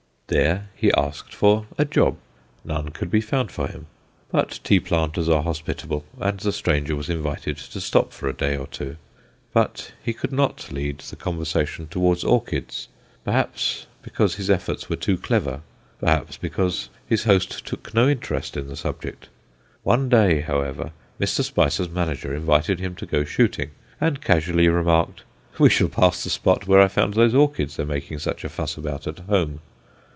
There he asked for "a job." None could be found for him; but tea planters are hospitable, and the stranger was invited to stop a day or two. But he could not lead the conversation towards orchids perhaps because his efforts were too clever, perhaps because his host took no interest in the subject. One day, however, Mr. Spicer's manager invited him to go shooting, and casually remarked "we shall pass the spot where I found those orchids they're making such a fuss about at home."